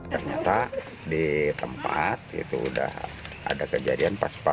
ternyata di tempat itu sudah ada kejadian pas pasan sama si pelaku